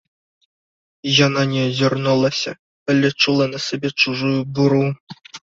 Яна не азірнулася, але чула на сабе чужую буру.